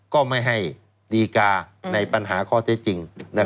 ก็ไม่ให้ดีกาในปัญหาข้อเท็จจริง